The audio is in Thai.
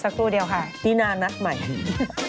สักครู่เดียวค่ะที่นานัดใหม่ดี